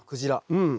うん。